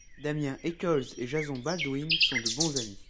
Damien Echols et Jason Baldwin sont de bons amis.